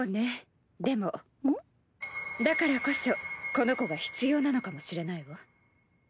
だからこそこの子が必要なのかもしれないわ。